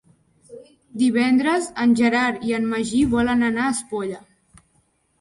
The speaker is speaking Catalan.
Divendres en Gerard i en Magí volen anar a Espolla.